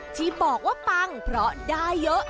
ที่บอกว่าปังเพราะได้เยอะ